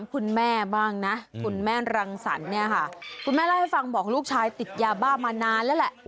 คุณแม่เล่าให้ฟังบอกลูกชายติดยาบ้ามานานแล้ว